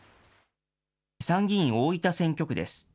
参議院大分選挙区です。